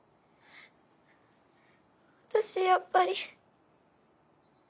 私やっぱり。